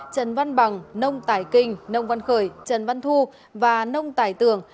trần văn bằng nông tải kinh nông văn khởi trần văn thu và nông tải tường